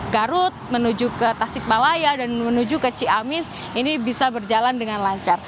garut menuju ke tasikmalaya dan menuju ke ciamis ini bisa berjalan dengan lancar